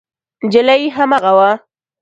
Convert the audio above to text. نجلۍ هماغه وه.